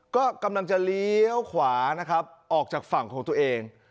ก็กำลังจะเลี้ยวขวานะครับออกจากฝั่งของตัวเอง